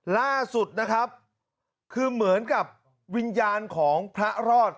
ล่าสุดนะครับคือเหมือนกับวิญญาณของพระรอด